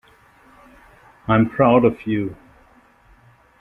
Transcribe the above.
I'm proud of you.